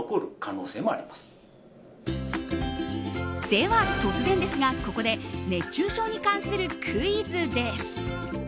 では、突然ですがここで熱中症に関するクイズです。